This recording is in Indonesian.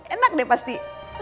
enak deh pasti